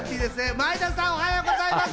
前田さん、おはようございます。